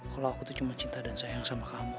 kalau aku tuh cuma cinta dan sayang sama kamu